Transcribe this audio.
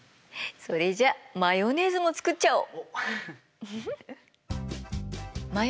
それじゃマヨネーズも作っちゃおう！